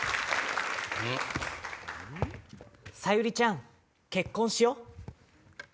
サユリちゃん結婚しよう。